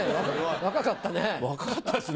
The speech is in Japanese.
若かったですね。